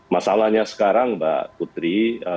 masalahnya sekarang mbak putri